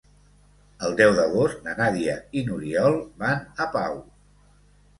El deu d'agost na Nàdia i n'Oriol van a Pau.